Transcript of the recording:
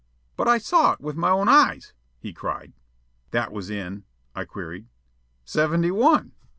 "But I saw it with my own eyes!" he cried. "That was in ?" I queried. "Seventy one."